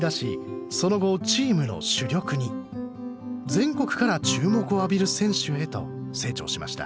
全国から注目を浴びる選手へと成長しました